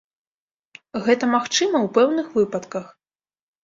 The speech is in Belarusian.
Гэта магчыма ў пэўных выпадках!